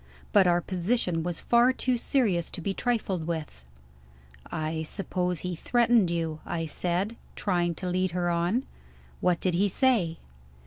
But our position was far too serious to be trifled with. "I suppose he threatened you?" I said, trying to lead her on. "What did he say?"